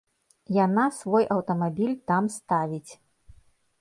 Яна свой аўтамабіль там ставіць.